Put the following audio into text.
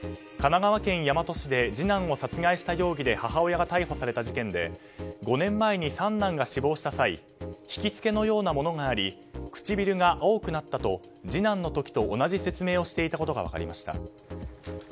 神奈川県大和市で次男を殺害した容疑で母親が逮捕された事件で５年前に三男が死亡した際ひきつけのようなものがあり唇が青くなったと次男の時と同じ説明をしていたことが分かりました。